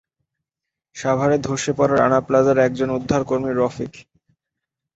সাভারে ধসে পড়া রানা প্লাজার একজন উদ্ধারকর্মী রফিক।